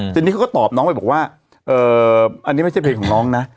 ทีนี้เขาก็ตอบน้องไปบอกว่าอันนี้ไม่ใช่เพลงของน้องนะ